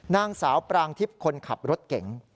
นางสาวปรางทิพย์คนขับรถเก๋ง